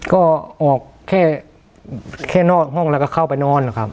ก็ออกแค่นอกห้องแล้วก็เข้าไปนอนนะครับ